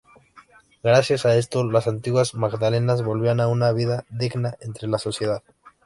Gracias a esto las antiguas "magdalenas" volvían a una vida digna entre la sociedad.